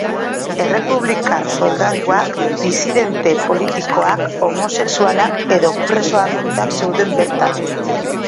Errepublikar soldaduak, disidente politikoak, homosexualak edo preso arruntak zeuden bertan.